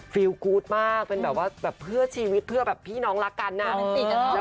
ฟิลกู๊ดมากเป็นแบบว่าแบบเพื่อชีวิตเพื่อแบบพี่น้องรักกันน่ะ